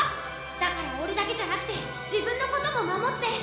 だから俺だけじゃなくて自分のことも守って。